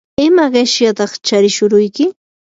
¿ima qishyataq charishuruyki?